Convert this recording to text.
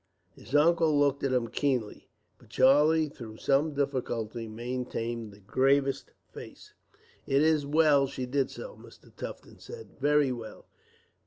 His uncle looked at him keenly; but Charlie, though with some difficulty, maintained the gravest face. "It is well she did so," Mr. Tufton said; "very well.